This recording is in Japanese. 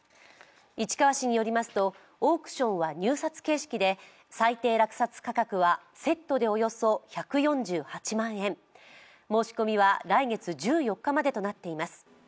市川市によりますと、オークションは入札形式で最低落札価格はセットでおよそ１４８万円、申し込みは来月１４日までとなっています。